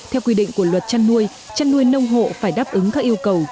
theo quy định của luật trăn nuôi trăn nuôi nông hộ phải đáp ứng các yêu cầu